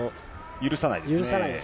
許さないですね。